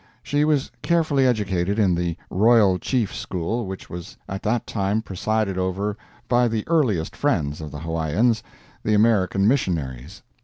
She was carefully educated in the Royal Chief School, which was at that time presided over by the earliest friends of the Hawaiians, the American Missionaries.